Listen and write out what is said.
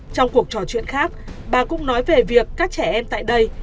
trong cuộc trò chuyện khác bà cũng nói về việc các trẻ em tại đây